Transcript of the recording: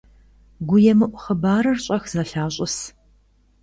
ГуемыӀу хъыбарыр щӀэх зэлъащӀыс.